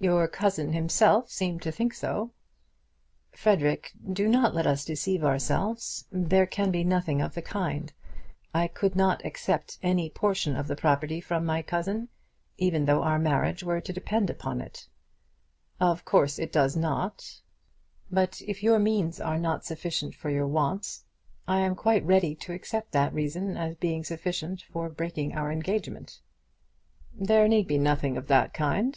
"Your cousin himself seemed to think so." "Frederic, do not let us deceive ourselves. There can be nothing of the kind. I could not accept any portion of the property from my cousin, even though our marriage were to depend upon it." "Of course it does not." "But if your means are not sufficient for your wants I am quite ready to accept that reason as being sufficient for breaking our engagement." "There need be nothing of the kind."